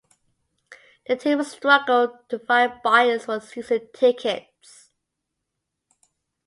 The team struggled to find buyers for season tickets.